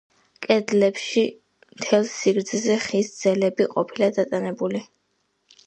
კედლებში მთელ სიგრძეზე ხის ძელები ყოფილა დატანებული.